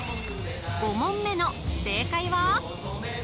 ５問目の正解は？